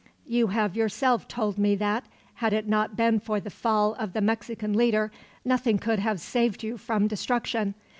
"You have yourself told me that, had it not been for the fall of the Mexican leader, nothing could have saved you from destruction.